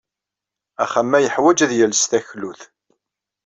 Axxam-a yeḥwaj ad yales taklut.